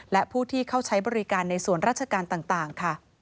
และผู้ที่เข้าใช้บริการในส่วนราชการต่างค่ะ